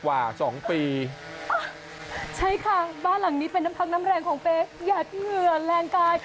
สองปีใช่ค่ะบ้านหลังนี้เป็นน้ำพักน้ำแรงของเปย์อย่าเหงื่อแรงกาย